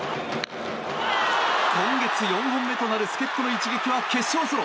今月４本目となる助っ人の一撃は決勝ソロ。